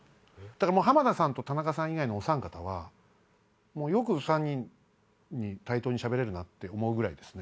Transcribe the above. もう浜田さんと田中さん以外のおさん方はよく対等にしゃべれるなって思うぐらいですね。